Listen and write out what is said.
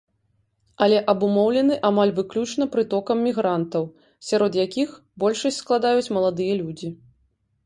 Але абумоўлены амаль выключна прытокам мігрантаў, сярод якіх большасць складаюць маладыя людзі.